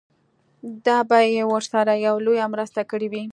دا به يې ورسره يوه لويه مرسته کړې وي.